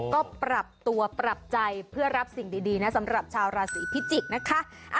ก็ปรับตัวปรับใจเพื่อรับสิ่งดีนะสำหรับชาวราศีพิจิกษ์นะคะ